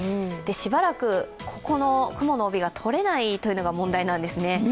しばらくここの雲の帯がとれないというのが問題なんですね。